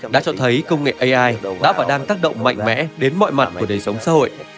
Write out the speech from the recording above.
đã cho thấy công nghệ ai đã và đang tác động mạnh mẽ đến mọi mặt của đời sống xã hội